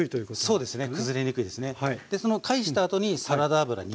はいそうですね。